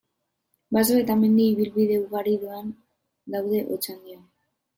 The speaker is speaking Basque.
Baso eta mendi ibilbide ugari daude Otxandion.